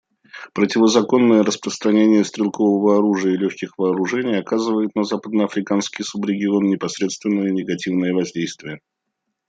Противозаконное распространение стрелкового оружия и легких вооружений оказывает на западноафриканский субрегион непосредственное негативное воздействие.